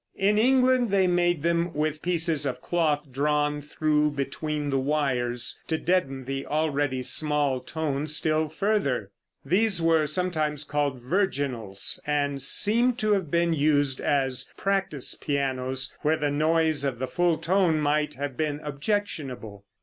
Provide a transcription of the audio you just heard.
In England they made them with pieces of cloth drawn through between the wires, to deaden the already small tone still further. These were sometimes called virginals, and seem to have been used as practice pianos, where the noise of the full tone might have been objectionable.